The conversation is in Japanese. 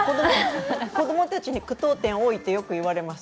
子どもたちに句読点多いってよく言われます。